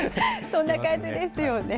そんな感じですよね。